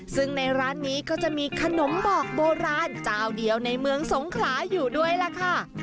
ซึ่งในร้านนี้ก็จะมีขนมบอกโบราณเจ้าเดียวในเมืองสงขลาอยู่ด้วยล่ะค่ะ